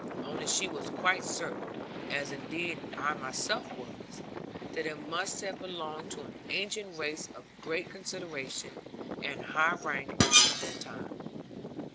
Only she was quite certain, as indeed I myself was, that it must have belonged to an ancient race of great consideration, and high rank, in their time.